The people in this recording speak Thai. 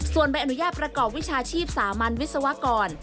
ส่วนใบอนุญาตประกอบวิชาชีพสามัญวิศวกร